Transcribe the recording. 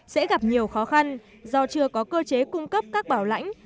sẽ gặp nhiều khó khăn do chưa có cơ chế cung cấp các bảo lãnh